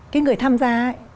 cái người tham gia